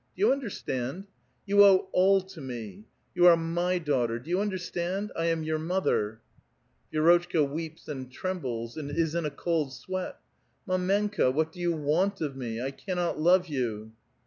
Do you understand? You owe ALL to me. You are my daughter. Do you under stand ? I am your mother !" Vi^rotchka weeps and trembles, and is in a cold sweat. " Mdmenka^ what do you want of me? I cannot love you."